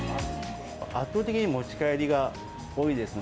圧倒的に持ち帰りが多いですね。